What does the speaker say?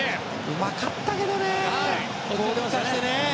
うまかったけどね。